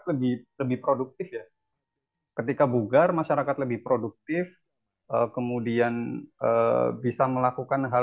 terkenal terkenal oleh platform yang dinamakan